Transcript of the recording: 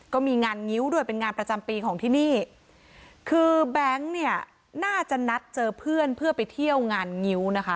ก็มีงานงิ้วด้วยเป็นงานประจำปีของที่นี่คือแบงค์เนี่ยน่าจะนัดเจอเพื่อนเพื่อไปเที่ยวงานงิ้วนะคะ